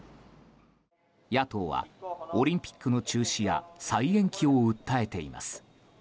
野党は、オリンピックの中止や再延期を訴えています。